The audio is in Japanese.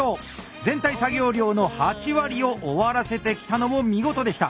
全体作業量の８割を終わらせてきたのも見事でした！